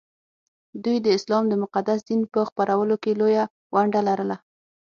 دوی د اسلام د مقدس دین په خپرولو کې لویه ونډه لرله